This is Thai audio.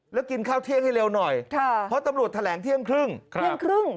แล้วกินข้าวเที่ยงให้เร็วหน่อยเพราะตำรวจแถลงเที่ยงครึ่งเที่ยงครึ่ง